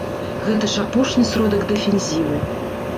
Гэта ж апошні сродак дэфензівы!